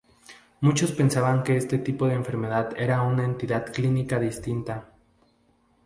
Muchos pensaban que este tipo de enfermedad era una entidad clínica distinta.